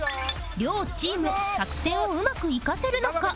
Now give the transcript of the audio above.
両チーム作戦をうまく生かせるのか？